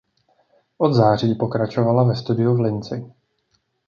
Od září pokračovala ve studiu v Linci.